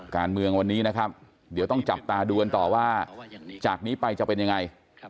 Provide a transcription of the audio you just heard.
การเมืองวันนี้นะครับเดี๋ยวต้องจับตาดูกันต่อว่าจากนี้ไปจะเป็นยังไง